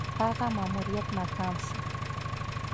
هغه ماموریت ناکام شو.